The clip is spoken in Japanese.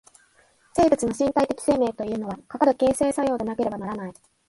生物の身体的生命というのは、かかる形成作用でなければならない。